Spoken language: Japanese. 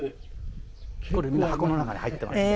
これみんな箱の中に入ってます。